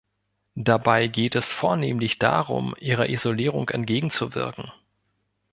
Dabei geht es vornehmlich darum, ihrer Isolierung entgegenzuwirken.